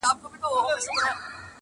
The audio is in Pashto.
او چوپتيا خپره ده هر ځای,